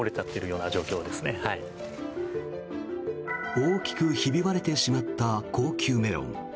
大きくひび割れてしまった高級メロン。